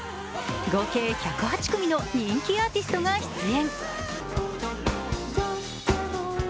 合計１０８組の人気アーティストが出演。